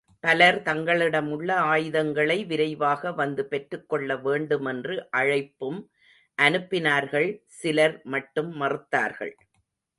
பலர் தங்களிடமுள்ள ஆயுதங்களை விரைவாக வந்து பெற்றுக்கொள்ள வேண்டுமென்று அழைப்பும் அனுப்பினார்கள் சிலர் மட்டும் மறுத்தார்கள்.